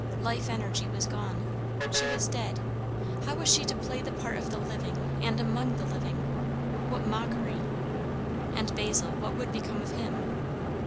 life energy was gone. She was dead; how was she to play the part of the living, and among the living? What mockery! And Basil, what would become of him?